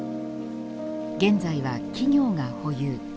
現在は企業が保有。